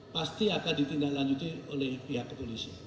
pasti akan ditindaklanjuti oleh pihak kepolisian